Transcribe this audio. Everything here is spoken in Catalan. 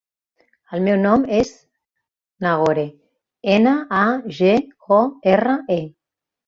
El meu nom és Nagore: ena, a, ge, o, erra, e.